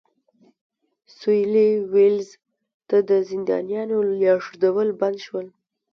سوېلي ویلز ته د زندانیانو لېږدول بند شول.